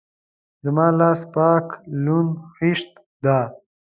زما لاس پاک لوند خيشت ده.